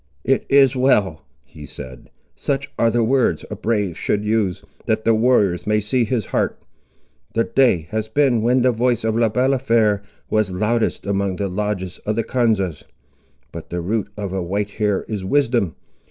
"It is well," he said; "such are the words a brave should use, that the warriors may see his heart. The day has been when the voice of Le Balafré was loudest among the lodges of the Konzas. But the root of a white hair is wisdom.